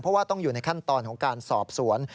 เพราะว่าต้องอยู่ในขั้นตอนของการสอบสวน